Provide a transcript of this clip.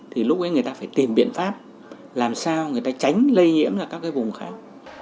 thì lúc ấy người ta phải tìm biện pháp làm sao người ta tránh lây nhiễm ra các cái vùng khác